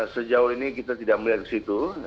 sejauh ini kita tidak melihat disitu